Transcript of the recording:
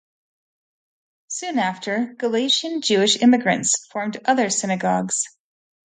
Soon after, Galician Jewish immigrants formed other synagogues.